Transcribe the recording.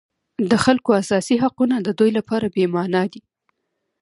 د خلکو اساسي حقونه د دوی لپاره بېمعنا دي.